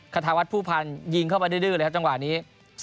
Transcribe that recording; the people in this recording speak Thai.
คาธาวัฒนผู้พันธ์ยิงเข้าไปดื้อเลยครับจังหวะนี้